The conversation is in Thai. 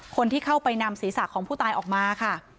คนที่เข้าไปนำศีรษะของผู้ตายออกมาค่ะ